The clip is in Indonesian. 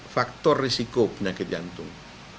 faktor risiko penyakit jantung